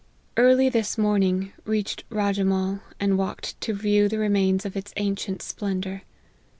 Early this morning reached Raje mahl, and walked to view the remains of its ancient splendour.